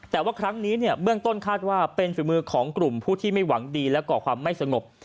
แต่ว่าครั้งนี้เนี่ยเบื้องต้นคาดว่าเป็นฝีมือของกลุ่มผู้ที่ไม่หวังดีและก่อความไม่สงบ